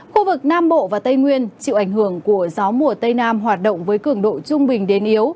khu vực nam bộ và tây nguyên chịu ảnh hưởng của gió mùa tây nam hoạt động với cường độ trung bình đến yếu